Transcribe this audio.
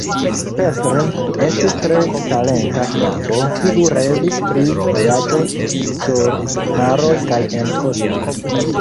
Petr estis tre talenta knabo, kiu revis pri vojaĝoj sur maroj kaj en kosmo.